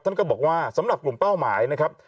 ก็บอกว่าสำหรับกลุ่มเป้าหมายนะครับ